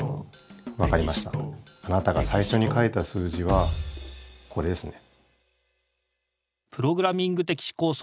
あなたが最初に書いた数字はこれですね。